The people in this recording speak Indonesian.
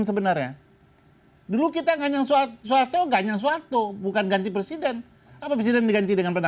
sebenarnya dulu kita ganyang suatu suatu bukan ganti presiden apa presiden diganti dengan perdana